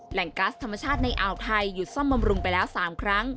กัสธรรมชาติในอ่าวไทยหยุดซ่อมบำรุงไปแล้ว๓ครั้ง